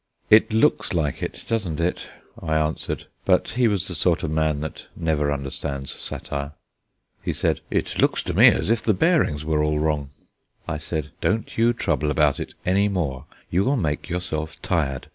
"It looks like it, doesn't it?" I answered. But he was the sort of man that never understands satire. He said: "It looks to me as if the bearings were all wrong." I said: "Don't you trouble about it any more; you will make yourself tired.